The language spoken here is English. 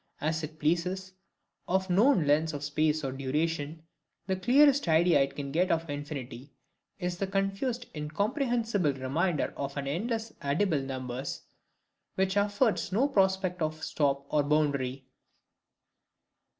as it pleases, of known lengths of space or duration, the clearest idea it can get of infinity, is the confused incomprehensible remainder of endless addible numbers, which affords no prospect of stop or boundary.